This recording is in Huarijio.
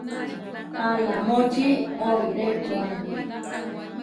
Alamóči oirépua.